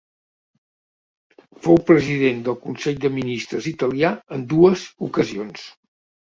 Fou president del consell de ministres italià en dues ocasions.